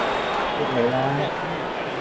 益你啦